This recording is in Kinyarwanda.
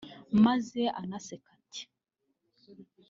maze anaseka ati